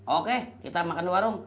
oke kita makan di warung